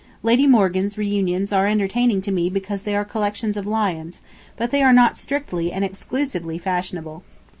. Lady Morgan's reunions are entertaining to me because they are collections of lions, but they are not strictly and exclusively fashionable.